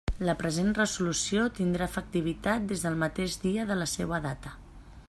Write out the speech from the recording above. La present resolució tindrà efectivitat des del mateix dia de la seua data.